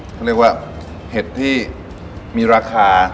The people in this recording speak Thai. เขาเรียกว่าเห็ดที่มีราคา